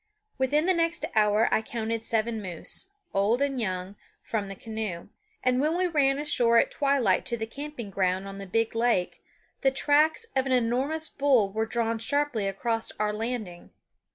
Within the next hour I counted seven moose, old and young, from the canoe; and when we ran ashore at twilight to the camping ground on the big lake, the tracks of an enormous bull were drawn sharply across our landing.